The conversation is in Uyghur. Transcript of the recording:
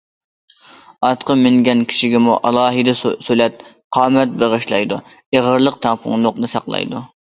ئاتقا مىنگەن كىشىگىمۇ ئالاھىدە سۆلەت، قامەت بېغىشلايدۇ، ئېغىرلىق تەڭپۇڭلۇقىنى ساقلايدۇ.